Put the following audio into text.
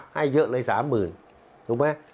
ให้เยอะเลย๓๐๐๐ถูกไหม